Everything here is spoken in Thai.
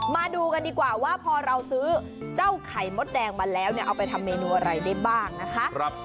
มาดูกันดีกว่าว่าพอเราซื้อเจ้าไข่มดแดงมาแล้วเนี่ยเอาไปทำเมนูอะไรได้บ้างนะคะ